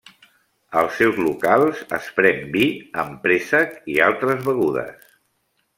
Als seus locals es pren vi amb préssec i altres begudes.